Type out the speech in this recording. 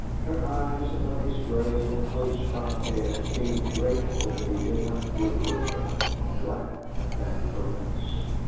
Her eyes above his grey and close cropped head seemed grateful that he did not reproach her, glad of that caress.